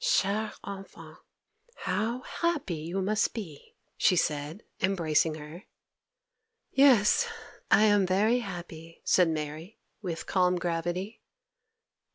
Chère enfant! how happy you must be!' she said, embracing her. 'Yes, I am very happy,' said Mary, with calm gravity.